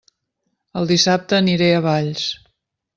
El dissabte aniré a Valls!